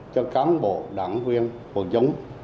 cho cán bộ đảng quyền của chúng